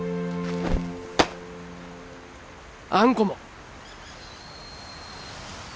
あんこも。